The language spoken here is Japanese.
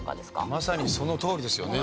まさにそのとおりですよね。